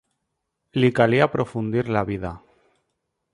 Li calia aprofundir la vida